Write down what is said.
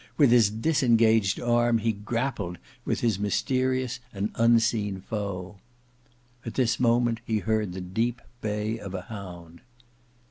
With his disengaged arm he grappled with his mysterious and unseen foe. At this moment he heard the deep bay of a hound.